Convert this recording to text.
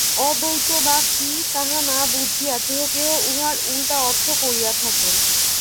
অদ্বৈতবাদ কি, তাহা না বুঝিয়া কেহ কেহ উহার উল্টা অর্থ করিয়া থাকেন।